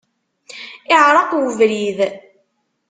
Iεreq ubrid.